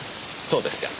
そうですか。